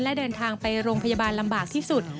และเดินทางไปโรงพยาบาลลำบากที่สุด